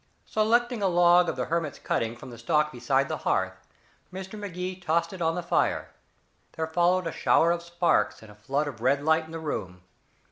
Selecting a log of the hermit's cutting from the stock beside the hearth, Mr. Magee tossed it on the fire. There followed a shower of sparks and a flood of red light in the room.